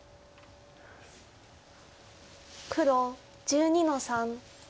黒１２の三。